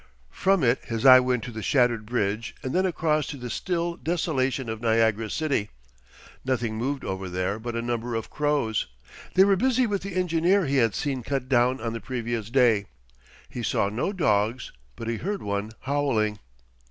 From it his eye went to the shattered bridge and then across to the still desolation of Niagara city. Nothing moved over there but a number of crows. They were busy with the engineer he had seen cut down on the previous day. He saw no dogs, but he heard one howling.